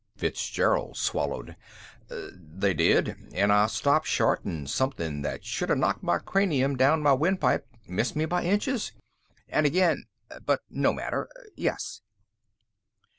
Fitzgerald swallowed. "They did. And I stopped short an' something that should've knocked my cranium down my windpipe missed me by inches. An' again But no matter. Yes."